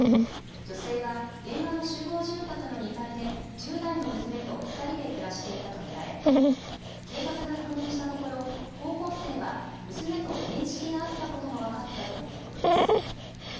女性は現場の集合住宅の２階で１０代の娘と２人で暮らしていたと見られ警察が確認したところ高校生は娘と面識があったことも分かったということです。